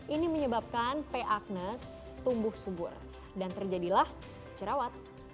ini menyebabkan p agnes tumbuh subur dan terjadilah jerawat